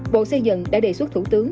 bộ xây dựng đã đề xuất thủ tướng